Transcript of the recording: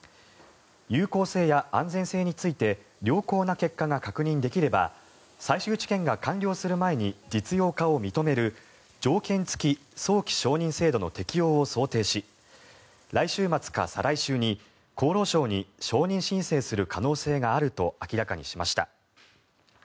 有効性や安全性について良好な結果が確認できれば最終治験が完了する前に実用化を認める条件付き早期承認制度の適用を想定し来週末か再来週に厚労省に承認申請する可能性があると明らかにしました。